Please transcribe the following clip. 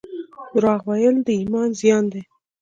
درواغ ویل د ایمان زیان دی